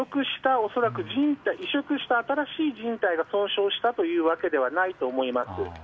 移植した新しいじん帯が損傷したわけではないと思います。